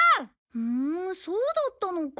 ふんそうだったのか。